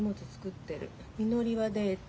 みのりはデート。